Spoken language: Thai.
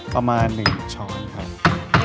ประมาณ๑ช้อนครับ